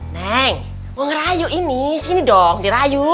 neng mau ngerayu ini sini dong dirayu